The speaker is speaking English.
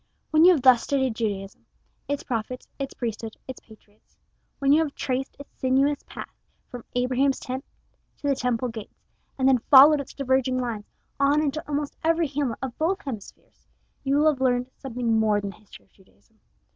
When you have thus studied Judaism, its prophets, its priesthood, its patriots when you have traced its sinuous path from Abraham's tent to the Temple gates, and then followed its diverging lines on into almost every hamlet of both hemispheres, you will have learned something more than the history of Judaism.